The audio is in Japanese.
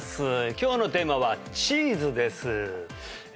今日のテーマはチーズですえ